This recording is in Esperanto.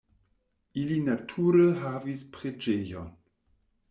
Ili nature havis preĝejon.